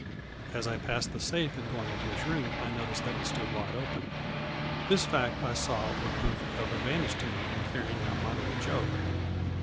As I passed the safe in going into his room I noticed that it stood wide open. This fact I saw would prove of advantage to me in carrying out my little joke.